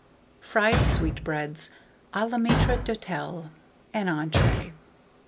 FRIED SWEETBREADS a la Maitre d'Hotel (an Entree). 907.